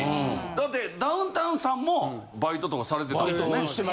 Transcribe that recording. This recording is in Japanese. だってダウンタウンさんもバイトとかされてたんですね？